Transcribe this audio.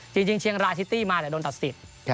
จริงเชียงรายซิตี้มาโดนตัดสิทธิ์